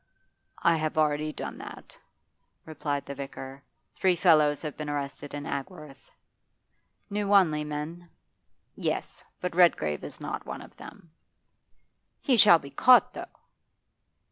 'I have already done that,' replied the vicar. 'Three fellows have been arrested in Agworth.' 'New Wanley men?' 'Yes; but Redgrave is not one of them.' 'He shall be caught, though!